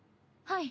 はい。